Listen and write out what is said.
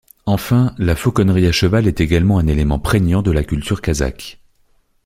Enfin, la fauconnerie à cheval est également un élément prégnant de la culture kazakhe.